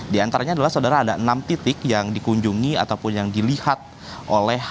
di antaranya adalah saudara ada enam titik yang dikunjungi ataupun yang dilihat oleh